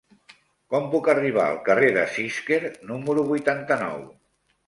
Com puc arribar al carrer de Cisquer número vuitanta-nou?